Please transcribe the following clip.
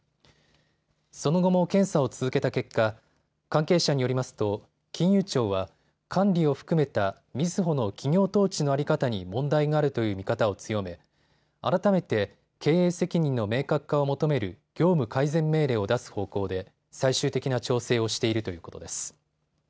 その後も検査を続けた結果、関係者によりますと金融庁は管理を含めたみずほの企業統治の在り方に問題があるという見方を強め、改めて経営責任の明確化を求める業務改善命令を出す方向で最終的な調整をしているということです。